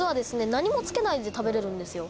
何もつけないで食べれるんですよ